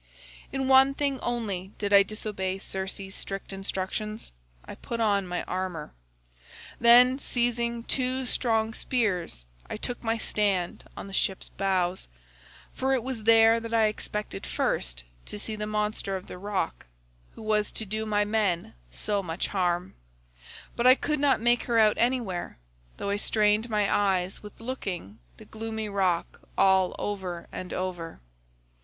In one thing only did I disobey Circe's strict instructions—I put on my armour. Then seizing two strong spears I took my stand on the ship's bows, for it was there that I expected first to see the monster of the rock, who was to do my men so much harm; but I could not make her out anywhere, though I strained my eyes with looking the gloomy rock all over and over.